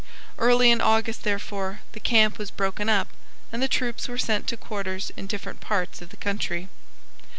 Early in August, therefore, the camp was broken up, and the troops were sent to quarters in different parts of the country.